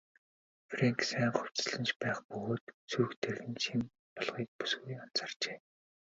Фрэнк сайн хувцасласан байх бөгөөд сүйх тэрэг нь шинэ болохыг бүсгүй анзаарчээ.